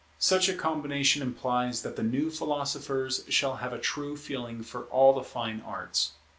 Such a combination implies that the new philosophers shall have a true feeling for all the fine arts.